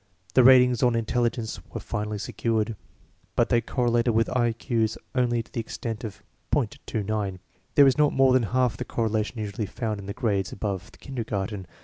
The ratings on intelligence were finally secured, but they correlated with I Q's only to the extent of .29. This is not more than half the correlation usually found in the grades above the kindergarten.